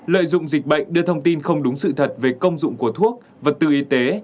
một mươi năm lợi dụng dịch bệnh đưa thông tin không đúng sự thật về công dụng của thuốc vật tư y tế